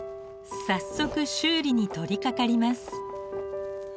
早速修理に取りかかります。